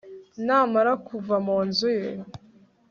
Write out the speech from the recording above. namara kuva mu nzu ye